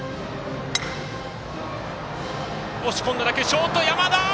ショート、山田！